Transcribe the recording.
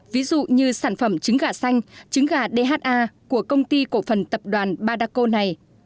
ví dụ như sản phẩm trứng gà xanh trứng gà dha của công ty cổ phần tập đoàn badaco này